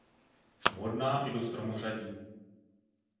Vhodná i do stromořadí.